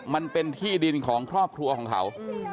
มันเป็นที่ดินของครอบครัวของเขา